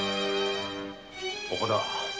岡田